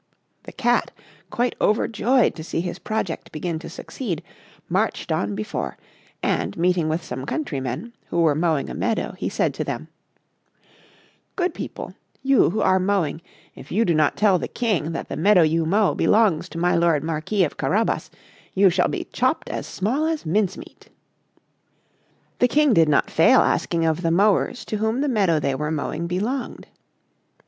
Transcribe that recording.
The Cat, quite overjoyed to see his project begin to succeed, marched on before, and meeting with some countrymen, who were mowing a meadow, he said to them: "Good people, you who are mowing, if you do not tell the King, that the meadow you mow belongs to my lord Marquis of Carabas, you shall be chopped as small as mince meat." The King did not fail asking of the mowers, to whom the meadow they were mowing belonged.